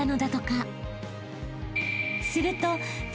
［すると］